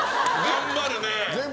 頑張るねえ。